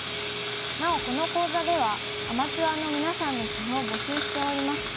なおこの講座ではアマチュアのみなさんの棋譜を募集しております。